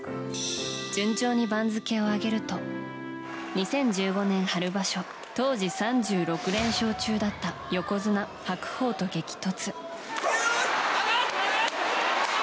順調に番付を上げると２０１５年春場所当時３６連勝中だった横綱・白鵬と激突。